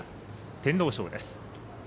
天皇賞です。